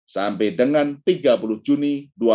sampai dengan tiga puluh juni dua ribu dua puluh